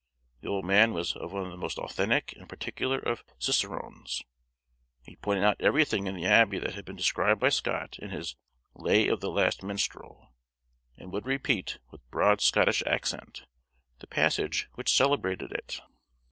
The old man was one of the most authentic and particular of cicerones; he pointed out everything in the Abbey that had been described by Scott in his "Lay of the Last Minstrel:" and would repeat, with broad Scottish accent, the passage which celebrated it.